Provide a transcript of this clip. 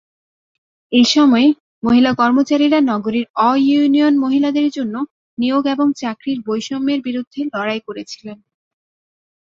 এই সময়ে, মহিলা কর্মচারীরা নগরীর অ-ইউনিয়ন মহিলাদের জন্য নিয়োগ এবং চাকরির বৈষম্যের বিরুদ্ধে লড়াই করেছিলেন।